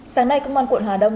sáng nay công an quận hà đông